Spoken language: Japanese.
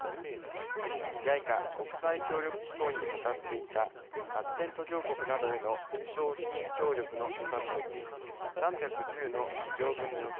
ＪＩＣＡ＝国際協力機構に渡っていた発展途上国などへの無償資金協力の予算のうち３１０の事業分の予算